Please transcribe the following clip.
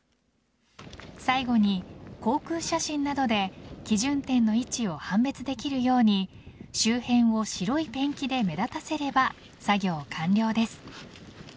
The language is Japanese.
最後に航空写真などで基準点の位置を判別できるように周辺を白いペンキで目立たせれば作業完了です。